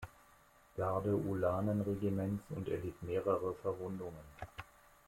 Garde-Ulanen-Regiments und erlitt mehrere Verwundungen.